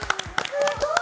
すごい！